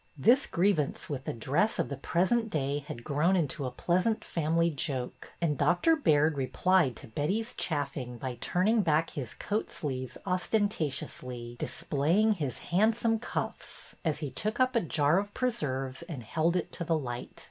This grievance with the dress of the present day had grown into a pleasant family joke, and Dr. Baird replied to Betty's chaffing by turning back his coat sleeves ostentatiously, displaying his handsome cuffs, as he took up a jar of preserves and held it to the light.